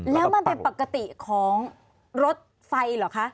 แล้วมันเป็นปกติของรถไฟเหรอคะ